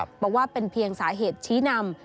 บอกว่าเป็นเพียงสาเหตุชี้นำ